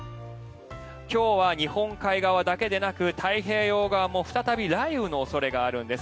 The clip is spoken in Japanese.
今日は日本海側だけでなく太平洋側も再び雷雨の恐れがあるんです。